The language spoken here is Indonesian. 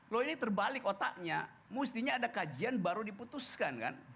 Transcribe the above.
loh ini terbalik otaknya mestinya ada kajian baru diputuskan kan